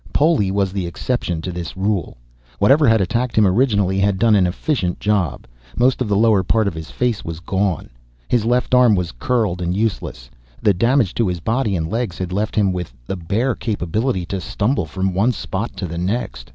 Poli was the exception to this rule. Whatever had attacked him originally had done an efficient job. Most of the lower part of his face was gone. His left arm was curled and useless. The damage to his body and legs had left him with the bare capability to stumble from one spot to the next.